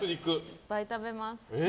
いっぱい食べます。